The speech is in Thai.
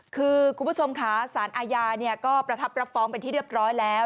คือคุณผู้ชมค่ะสารอาญาก็ประทับรับฟ้องเป็นที่เรียบร้อยแล้ว